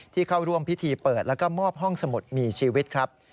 เข้าร่วมพิธีเปิดแล้วก็มอบห้องสมุดมีชีวิตครับ